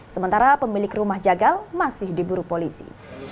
sementara pemilik rumah jagal masih diburu polisi